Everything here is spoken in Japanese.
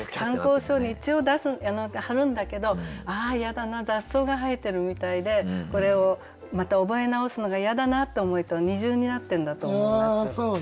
参考書に一応貼るんだけどああ嫌だな雑草が生えてるみたいでこれをまた覚え直すのが嫌だなって思いと二重になってるんだと思います。